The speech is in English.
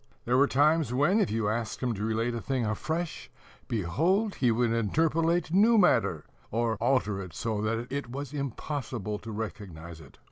There were times when, if you asked him to relate a thing afresh, behold, he would interpolate new matter, or alter it so that it was impossible to recognize it.